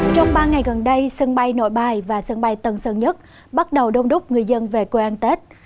trong ba ngày gần đây sân bay nội bài và sân bay tân sơn nhất bắt đầu đông đúc người dân về quê ăn tết